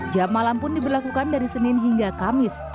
jam malam pun diberlakukan dari senin hingga kamis